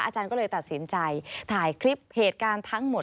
อาจารย์ก็เลยตัดสินใจถ่ายคลิปเหตุการณ์ทั้งหมด